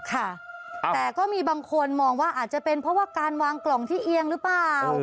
ค่ะแต่ก็มีบางคนมองว่าอาจจะเป็นเพราะว่าการวางกล่องที่เอียงหรือเปล่า